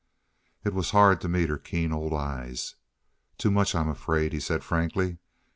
It was hard to meet her keen old eyes. "Too much, I'm afraid," he said frankly.